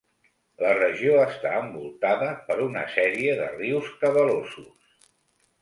La regió està envoltada per una sèrie de rius cabalosos.